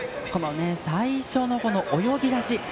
最初の泳ぎだし。